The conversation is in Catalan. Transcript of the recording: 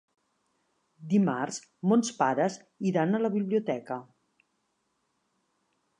Dimarts mons pares iran a la biblioteca.